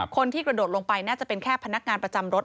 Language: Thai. คนที่กระโดดลงไปน่าจะเป็นแค่พนักงานประจำรถ